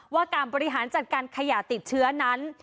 ว่าการบริหารจัดการขยะติดเชื้อนั้น